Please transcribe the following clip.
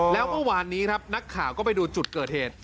แล้วเมื่อวานนี้ครับนักข่าวก็ไปดูจุดเกิดเหตุ